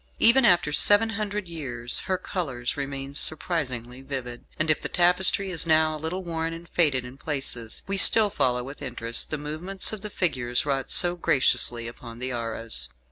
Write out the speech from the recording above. Even after seven hundred years her colours remain surprisingly vivid, and if the tapestry is now a little worn and faded in places, we still follow with interest the movements of the figures wrought so graciously upon the arras.